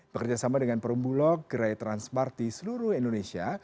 bekerjasama dengan perumbulok gerai transparti seluruh indonesia